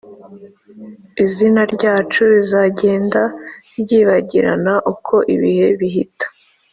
Izina ryacu rizagenda ryibagirana uko ibihe bihita,